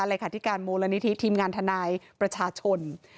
รายคาที่การมูลณิธิทีมงานธนายประชาชน